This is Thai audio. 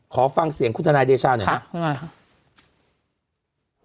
ขอฟังเสียงคุณทนายเดชาหน่อยนะครับครับครับ